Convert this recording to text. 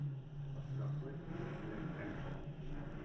Осраҡлы килеп эләккән.